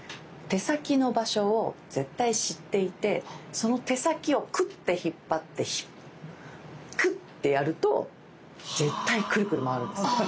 て先の場所を絶対知っていてそのて先をクッて引っ張ってクッてやると絶対くるくる回るんですって。